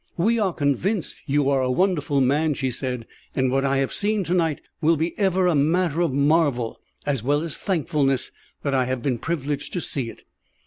"We are convinced that you are a wonderful man," she said; "and what I have seen to night will be ever a matter of marvel, as well as thankfulness that I have been privileged to see it."